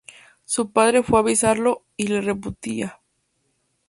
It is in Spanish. Su padre fue a visitarlo y le repudia.